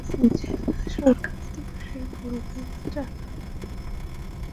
জেলা শহরগুলোতে প্রশাসনিক কর্মকর্তারা সরকারি স্কুল-কলেজের শিক্ষকদের অধীনস্ত কর্মচারী জ্ঞান করেন।